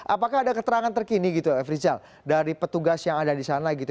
apakah ada keterangan terkini gitu f rizal dari petugas yang ada di sana gitu